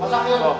pasak tuh pasak ya